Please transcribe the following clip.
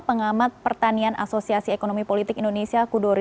pengamat pertanian asosiasi ekonomi politik indonesia kudori